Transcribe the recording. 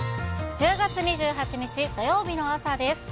１０月２８日土曜日の朝です。